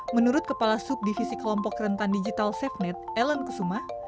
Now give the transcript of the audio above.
menurut kepala subdivisi kelompok rentan digital safenet ellen kusuma